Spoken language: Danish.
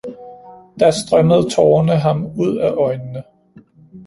Da strømmede tårerne ham ud af øjnene